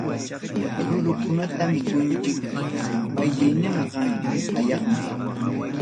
Rurukunata mikunchik, malliyninqa hayaqmi.